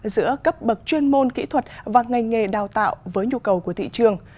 giữa cấp bậc chuyên môn kỹ thuật và ngành nghề đào tạo với nhu cầu của thị trường